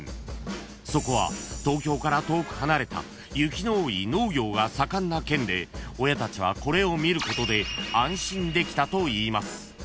［そこは東京から遠く離れた雪の多い農業が盛んな県で親たちはこれを見ることで安心できたといいます］